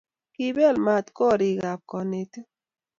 Kipel mat korich ab kanetik